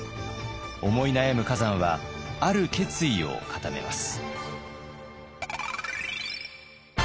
思い悩む崋山はある決意を固めます。